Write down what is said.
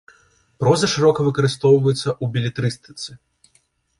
Проза шырока выкарыстоўваецца ў белетрыстыцы.